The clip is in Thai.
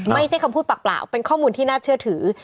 ไม่ใช่คำพูดเปล่าเป็นข้อมูลที่น่าเชื่อถือ